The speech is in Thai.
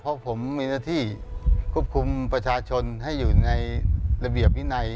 เพราะผมมีหน้าที่ควบคุมประชาชนให้อยู่ในระเบียบวินัย